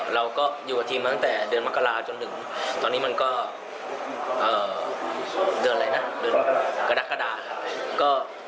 เราก็อยู่กับทีมตั้งแต่เดือนมกราจน๑ตอนนี้มันก็เดือนกระดาษครับ